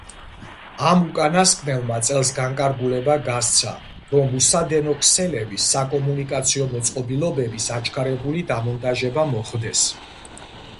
ამ უკანასკნელმა წელს განკარგულება გასცა, რომ უსადენო ქსელების საკომუნიკაციო მოწყობილობების აჩქარებული დამონტაჟება მოხდეს.